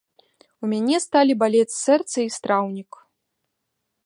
У мяне сталі балець сэрца і страўнік.